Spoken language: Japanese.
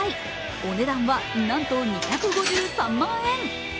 お値段はなんと２５３万円。